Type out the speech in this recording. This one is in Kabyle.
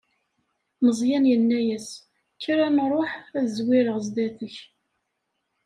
Meẓyan yenna-as: Kker ad nṛuḥ, ad zwireɣ zdat-k.